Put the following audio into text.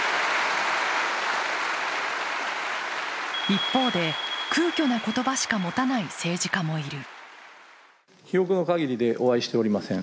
一方で、空虚な言葉しか持たない政治家もいる。